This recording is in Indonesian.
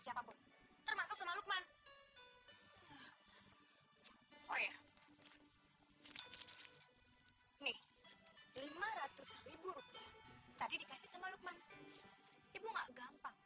siapapun termasuk sama lukman oh iya nih lima ratus rupiah tadi dikasih sama lukman ibu enggak gampang